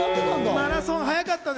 マラソン速かったんです。